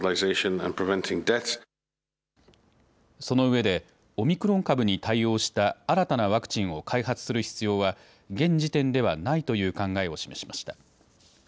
そのうえでオミクロン株に対応した新たなワクチンを開発する必要は現時点ではないという考えを示しました。